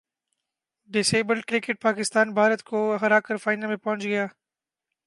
ڈس abled cricket Pakistan Bharat کو ہراکر final میں پہنچ گیا